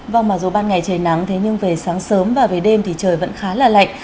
vâng mà dù ban ngày trời nắng thế nhưng về sáng sớm và về đêm thì trời vẫn khá là lạnh